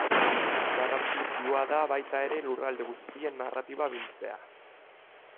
Garrantzitsua da baita ere lurralde guztien narratiba biltzea.